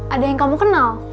ada yang kamu kenal